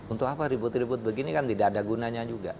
untuk apa ribut ribut begini kan tidak ada gunanya juga